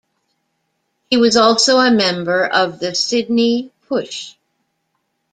He was also a member of the Sydney Push.